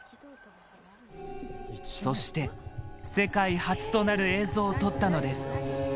そして、世界初となる映像を撮ったのです。